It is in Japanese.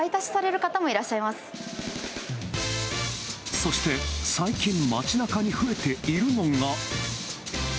そして、最近、町なかに増えているのが。